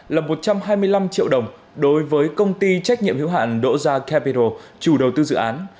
là một trăm hai mươi năm triệu đồng đối với công ty trách nhiệm hiếu hạn doja capital chủ đầu tư dự án